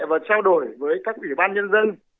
và trao đổi với các ủy ban nhân dân